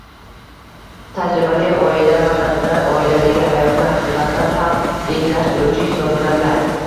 Tajribali oyilar va dadalar oiladagi hayotni haqiqatdan ham yengillashtiruvchi hisoblanadilar.